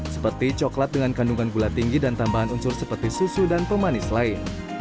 seperti coklat dengan kandungan gula tinggi dan tambahan unsur seperti susu dan pemanis lain